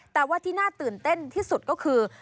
แต่ว่าที่น่าตื่นเต้นที่สุดก็คือ